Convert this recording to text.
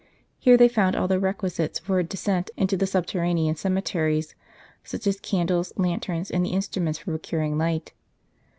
Here they found all the requisites for a descent into the subterranean cemeteries, such as candles, lanterns, and the instruments for procuring light.